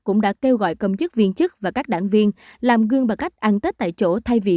cũng đã kêu gọi công chức viên chức và các đảng viên làm gương bằng cách ăn tết tại chỗ thay vì